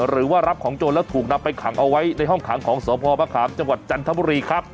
หรือว่ารับของโจรแล้วถูกนำไปขังเอาไว้ในห้องขังของสพมะขามจังหวัดจันทบุรีครับ